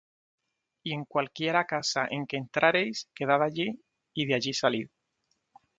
Y en cualquiera casa en que entrareis, quedad allí, y de allí salid.